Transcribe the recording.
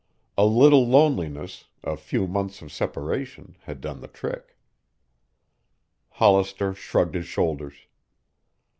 A little loneliness, a few months of separation, had done the trick. Hollister shrugged his shoulders.